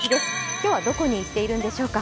今日はどこに行っているのでしょうか。